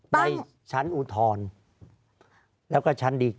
ภารกิจสรรค์ภารกิจสรรค์